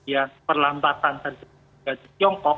nah ini yang terlihat perlambatan dari jaringan jaringan di tiongkok